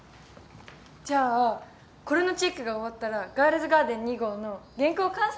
じゃあこれのチェックが終わったら『ガールズガーデン』２号の原稿完成？